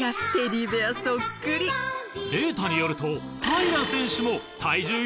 データによると平良選手も。